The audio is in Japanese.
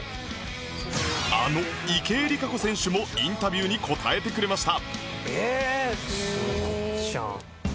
あの池江璃花子選手もインタビューに答えてくれました